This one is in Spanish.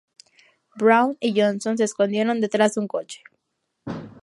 Brown y Johnson se escondieron detrás de un coche.